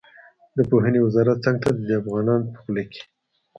د پوهنې وزارت څنګ ته د ده افغانان په خوله کې.